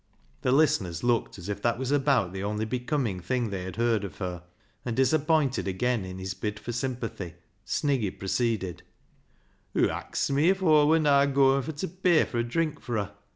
" The listeners looked as if that was about the only becoming thing they had heard of her, and disappointed again in his bid for sympathy, Sniggy proceeded— " Hoo axed me if Aw wur na gooin' fur t' pay fur a drink fur her.